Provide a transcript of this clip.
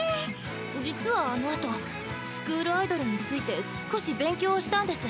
実はあのあとスクールアイドルについて少し勉強をしたんです。